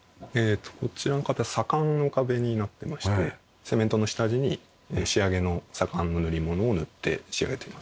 こちらの壁左官の壁になってましてセメントの下地に仕上げの左官の塗りものを塗って仕上げています。